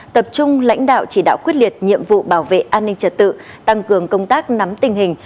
tập trung lãnh đạo chỉ đạo quyết liệt nhiệm vụ bảo vệ an ninh trật tự tăng cường công tác nắm tình hình